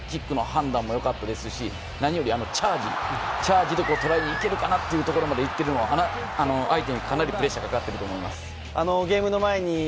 本当に素晴らしいですね、キックの判断も良かったですしチャージでトライにいけるかなというところまでいっているので、相手にかなりプレッシャーがかかっていると思います。